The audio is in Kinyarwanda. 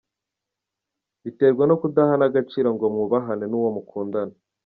Biterwa nukudahana agaciro ngo mwubahane nuwo mukundana.